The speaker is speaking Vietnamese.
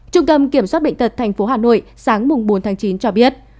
trung tâm kiểm soát bệnh tật tp hà nội sáng bốn tháng chín cho biết